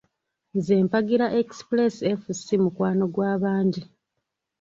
Nze mpagira Express Fc mukwano gw’abangi.